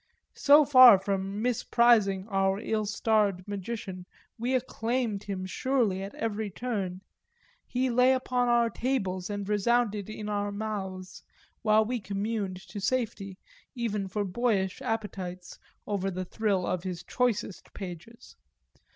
So far from misprizing our ill starred magician we acclaimed him surely at every turn; he lay upon our tables and resounded in our mouths, while we communed to satiety, even for boyish appetites, over the thrill of his choicest pages.